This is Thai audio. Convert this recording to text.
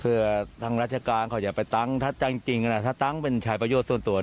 เพื่อทางราชการเขาอย่าไปตั้งถ้าตั้งจริงถ้าตั้งเป็นชายประโยชน์ส่วนตัว